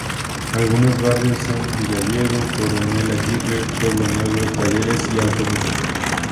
Algunos barrios son Villa Diego, Coronel Aguirre, Pueblo Nuevo, Talleres y Alto Verde.